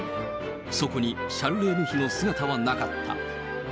そこに、シャルレーヌ妃の姿はなかった。